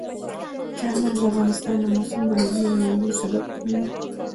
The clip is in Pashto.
چار مغز د افغانستان د موسم د بدلون یو لوی سبب کېږي.